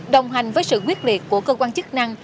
đồng hành với sự quyết liệt của cơ quan chức năng